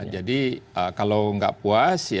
jadi kalau gak puas